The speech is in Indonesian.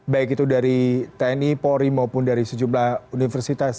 baik itu dari tni polri maupun dari sejumlah universitas